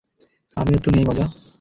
আমিও একটু নেই মজা?